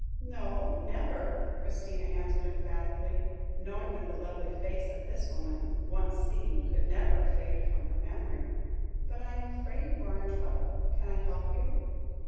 "No, never," Christina answered emphatically, knowing that the lovely face of this woman, once seen, could never have faded from her memory; "but, I am afraid you are in trouble; can I help you?